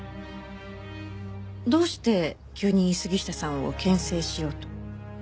どうして急に杉下さんを牽制しようと？